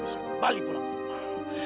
bisa kembali pulang ke rumah